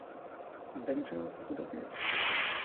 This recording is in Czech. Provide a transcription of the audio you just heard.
Zemřel v chudobě.